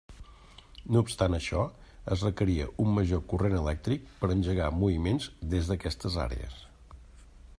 No obstant això, es requeria un major corrent elèctric per engegar moviments des d'aquestes àrees.